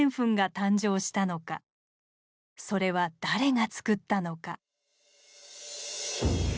それは誰がつくったのか。